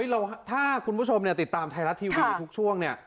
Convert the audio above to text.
เอ้อถ้าคุณผู้ชมเนี่ยติดตามไทรัสทีวีอีกทุกช่วงเนี่ย